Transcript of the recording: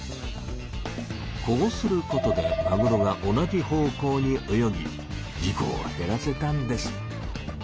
こうすることでマグロが同じ方向に泳ぎ事こを減らせたんです。